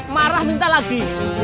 marah minta lagi